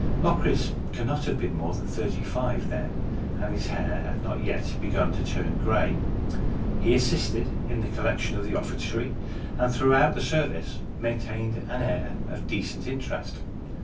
Locris cannot have been more than thirty five then, and his hair had not yet begun to turn grey. He assisted in the collection of the offertory, and throughout the service maintained an air of decent interest.